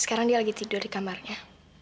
sekarang dia lagi tidur di kamarnya